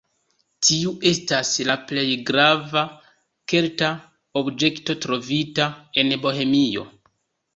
Tiu estas la plej grava kelta objekto trovita en Bohemio.